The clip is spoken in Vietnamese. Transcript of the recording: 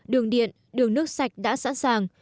đường điện đường nước sạch đã sẵn sàng